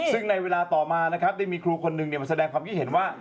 ซึ่งในเวลาต่อมานะครับได้มีครูคนหนึ่งมาแสดงความคิดเห็นว่า